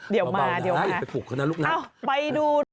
เดี๋ยวมานะครับไปปลูกเขานะลูกนักเอ้าไปดู